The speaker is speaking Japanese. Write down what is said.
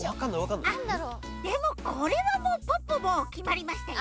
あっでもこれはもうポッポもうきまりましたよ。